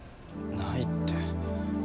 ないって。